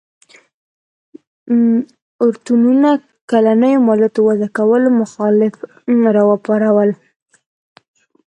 د اورتونونو کلنیو مالیاتو وضعه کولو مخالفت راوپاروله.